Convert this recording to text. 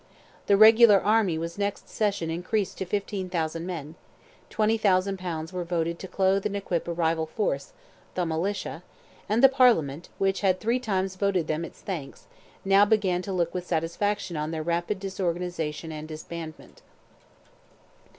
The regular army was next session increased to 15,000 men; 20,000 pounds were voted to clothe and equip a rival force—"the Militia"—and the Parliament, which had three times voted them its thanks, now began to look with satisfaction on their rapid disorganization and disbandment.